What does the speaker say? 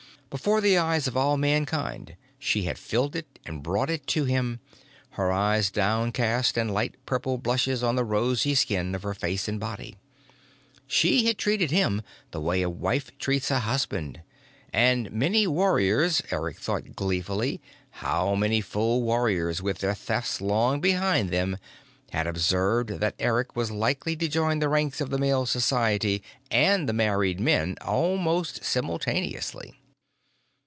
Before the eyes of all Mankind she had filled it and brought it to him, her eyes down cast and light purple blushes on the rosy skin of her face and body. She had treated him the way a wife treats a husband, and many warriors Eric thought gleefully many full warriors with their Thefts long behind them had observed that Eric was likely to join the ranks of the Male Society and the married men almost simultaneously.